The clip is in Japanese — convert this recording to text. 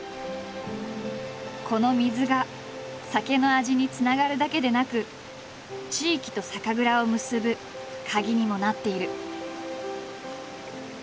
この水が酒の味につながるだけでなく地域と酒蔵を結ぶカギにもなっている。